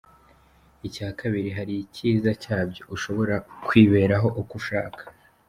Icya kabiri, hari icyiza cyabyo… ushobora kwiberaho uko ushaka.